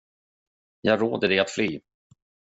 Jag råder dig att fly.